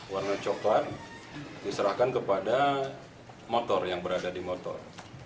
warna coklat diserahkan kepada motor yang berada di motor